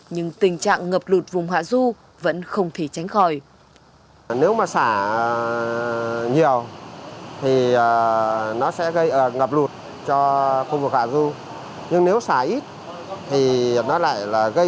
nhưng tình trạng ngập lụt vùng hạ du vẫn không thể tránh khỏi